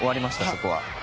そこは。